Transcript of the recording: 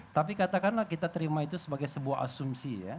tapi katakanlah kita terima itu sebagai sebuah asumsi ya